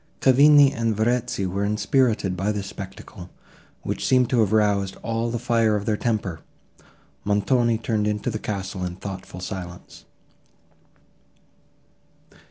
Cavigni and Verezzi were inspirited by this spectacle, which seemed to have roused all the fire of their temper; Montoni turned into the castle in thoughtful silence.